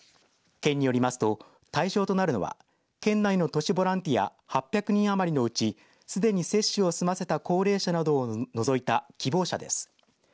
県によりますと対象となるのは県内の都市ボランティア８００人余りのうちすでに接種を済ませた高齢者などを除いた希望者です。